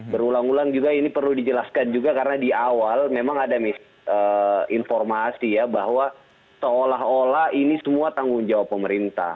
berulang ulang juga ini perlu dijelaskan juga karena di awal memang ada informasi ya bahwa seolah olah ini semua tanggung jawab pemerintah